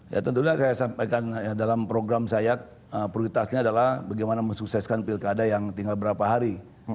ya tentunya saya sampaikan dalam program saya prioritasnya adalah bagaimana mensukseskan pilkada yang tinggal berapa hari